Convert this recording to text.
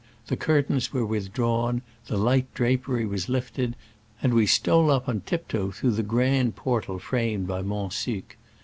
the curtains were withdrawn/ the light drapery was hfted, and we stole up on tiptoe through the grand portal framed by Mont Sue.